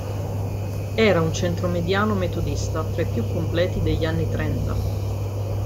Era un centromediano metodista tra i più completi degli anni trenta.